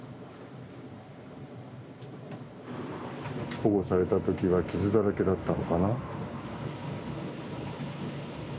保護された時は傷だらけだったのかな。